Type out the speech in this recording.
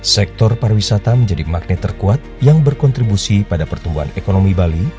sektor pariwisata menjadi magnet terkuat yang berkontribusi pada pertumbuhan ekonomi bali